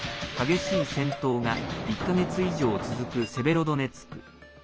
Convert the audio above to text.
激しい戦闘が１か月以上続くセベロドネツク。